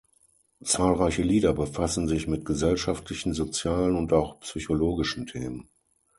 Zahlreiche Lieder befassen sich mit gesellschaftlichen, sozialen und auch psychologischen Themen.